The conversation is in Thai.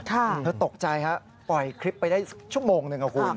เธอตกใจฮะปล่อยคลิปไปได้ชั่วโมงหนึ่งครับคุณ